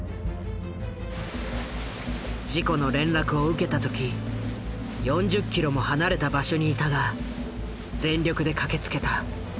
事故の連絡を受けた時４０キロも離れた場所にいたが全力で駆けつけた。